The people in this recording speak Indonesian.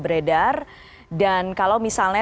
beredar dan kalau misalnya